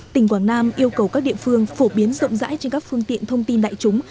tỉnh quảng nam yêu cầu các địa phương phổ biến rộng rãi trên các phương tiện thông tin đại chúng